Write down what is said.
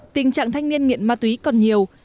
tình trạng thanh niên nghiện ma túy còn nhiều